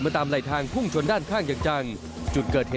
แต่พอมาถึงจุดเกินเทศ